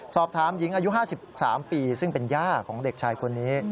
สอบถามหญิงอายุ๕๓ปีซึ่งเป็นย่าของเด็กชายคนนี้